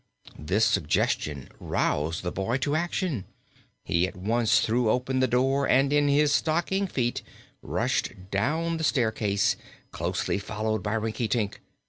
This suggestion roused the boy to action. He at once threw open the door and in his stocking feet rushed down the staircase, closely followed by Rinkitink.